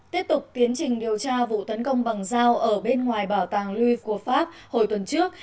tiếp tục tiến trình điều tra vụ tấn công bằng dao ở bên ngoài bảo tàng louis của pháp hồi tuần trước